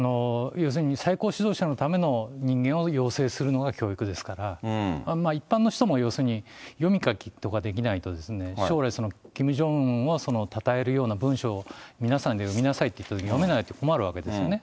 要するに最高指導者のための人間を養成するのが教育ですから、一般の人も要するに、読み書きとかできないと、将来、キム・ジョンウンをたたえるような文章を皆さんで読みなさいといったときに読めないと困るわけですね。